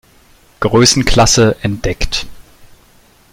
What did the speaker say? Größenklasse entdeckt.